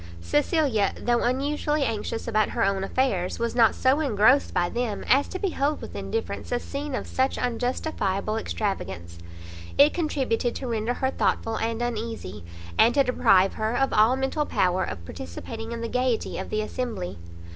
Cecilia, though unusually anxious about her own affairs, was not so engrossed by them as to behold with indifference a scene of such unjustifiable extravagance; it contributed to render her thoughtful and uneasy, and to deprive her of all mental power of participating in the gaiety of the assembly.